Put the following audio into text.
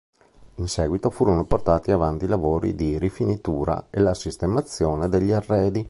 In seguito furono portati avanti i lavori di rifinitura e la sistemazione degli arredi.